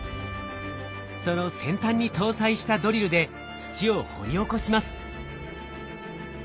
その先端に搭載したドリルで土を掘り起こします。